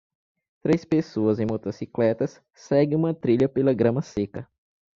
Três pessoas em motocicletas seguem uma trilha pela grama seca.